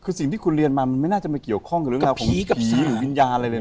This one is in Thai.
คือสิ่งที่คุณเรียนมามันไม่น่าจะมาเกี่ยวข้องกับเรื่องราวของผีกับสีหรือวิญญาณอะไรเลยนะ